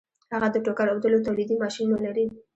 هغه د ټوکر اوبدلو تولیدي ماشینونه لري